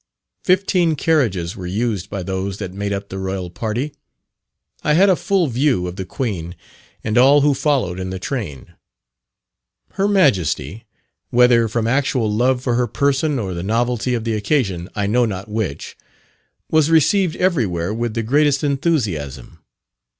Fifteen carriages were used by those that made up the Royal party. I had a full view of the Queen and all who followed in the train. Her Majesty whether from actual love for her person, or the novelty of the occasion, I know not which was received everywhere with the greatest enthusiasm.